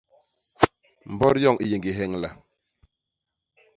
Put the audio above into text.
Mbot yoñ i yé ñgi heñla.